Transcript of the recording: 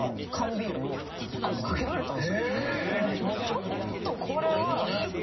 ちょっとこれは。